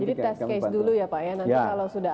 kami bantu jadi test case dulu ya pak ya nanti kalau sudah